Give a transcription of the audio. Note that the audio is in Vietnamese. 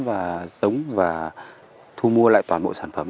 và sống và thu mua lại toàn bộ sản phẩm